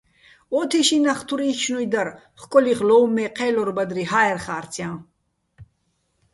ო თიშიჼ ნახ თურ იშშნუჲ დარ, ხკოლი́ხ ლო́უმო̆ მე ჴე́ლორ ბადრი ჰაერ ხარცჲაჼ.